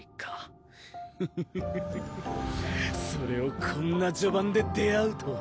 それをこんな序盤で出会うとは。